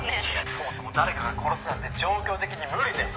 「そもそも誰かが殺すなんて状況的に無理だよ。